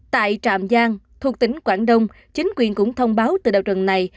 tại trạm giang thuộc tỉnh quảng đông chính quyền cũng thông báo từ đầu rừng này